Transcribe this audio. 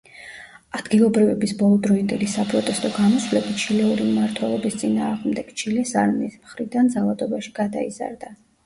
ადგილობრივების ბოლოდროინდელი საპროტესტო გამოსვლები ჩილეური მმართველობის წინააღმდეგ, ჩილეს არმიის მხირდან ძალადობაში გადაიზარდა.